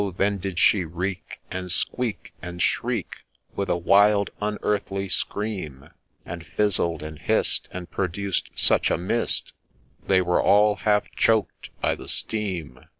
then did she reek, and squeak, and shriek, With a wild unearthly scream ; And fizzl'd, and hiss'd, and produced such a mist, They were all half choked by the steam.